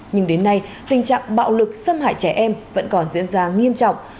nhưng đến nay tình trạng bạo lực xâm hại trẻ em vẫn còn diễn ra nghiêm trọng